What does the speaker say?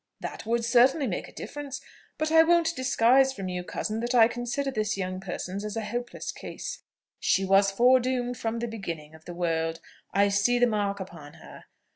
"That would certainly make a difference; but I won't disguise from you, cousin, that I consider this young person's as a hopeless case. She was foredoomed from the beginning of the world: I see the mark upon her.